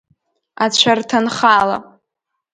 Ацәарҭанхала.